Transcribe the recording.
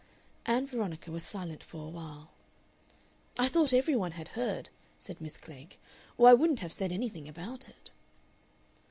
Ann Veronica was silent for a while. "I thought every one had heard," said Miss Klegg. "Or I wouldn't have said anything about it."